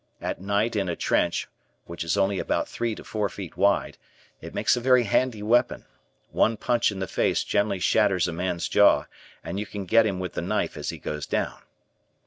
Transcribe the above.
At night in a trench, which is only about three to four feet wide, it makes a very handy weapon. One punch in the face generally shatters a man's jaw and you can get him with the knife as he goes down.